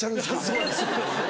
そうです。